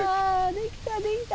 できたできた。